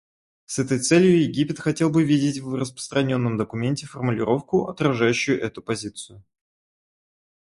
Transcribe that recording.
С этой целью Египет хотел бы видеть в распространенном документе формулировку, отражающую эту позицию.